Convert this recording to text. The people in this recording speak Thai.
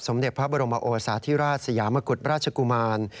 เด็จพระบรมโอสาธิราชสยามกุฎราชกุมาร